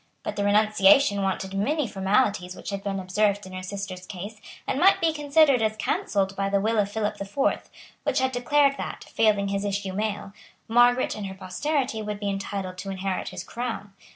But the renunciation wanted many formalities which had been observed in her sister's case, and might be considered as cancelled by the will of Philip the Fourth, which had declared that, failing his issue male, Margaret and her posterity would be entitled to inherit his Crown.